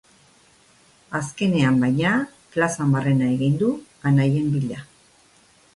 Azkenean, baina, plazan barrena egin du, anaien bila.